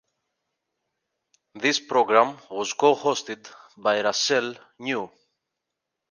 This program was co-hosted by Rachel New.